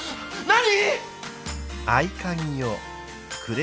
何！？